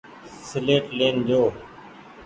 سيليٽ لين جو ۔